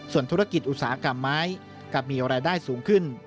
ส่วนธุรกิจอุตสาหกรรมไม้กลับมีรายได้สูงขึ้น